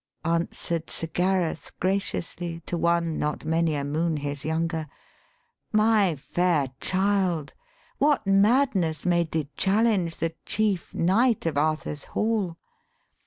Answer'd Sir Gareth graciously to one Not many a moon his younger, ' My fair child, What madness made thee challenge the chief knight Of Arthur's hall